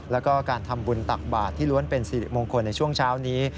แล้วก็การทำบุญตักบาทที่ล้วนเป็นสิริมงคลในช่วงเช้านี้